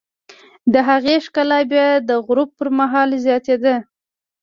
د هغې ښکلا بیا د غروب پر مهال زیاتېده.